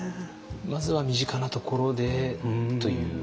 まずは身近なところでという。